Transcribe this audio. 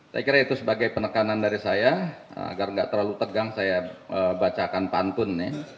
saya kira itu sebagai penekanan dari saya agar tidak terlalu tegang saya bacakan pantun